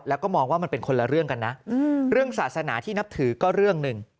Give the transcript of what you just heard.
แล้วก็มองว่ามันเป็นคนละเรื่องกันนะเรื่องศาสนาที่นับถือก็เรื่องหนึ่ง